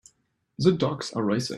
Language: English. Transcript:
The dogs are racing.